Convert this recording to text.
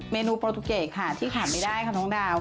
เมนูโปรตุเกตที่ขายไม่ได้คะท่องดาว